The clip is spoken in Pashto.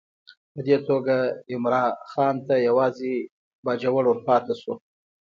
په دې توګه عمرا خان ته یوازې باجوړ ورپاته شو.